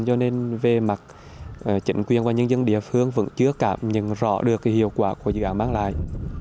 cho nên về mặt chính quyền và nhân dân địa phương vẫn chưa cảm nhận rõ được hiệu quả của dự án mang lại